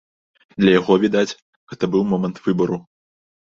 Для яго, відаць, гэта быў момант выбару.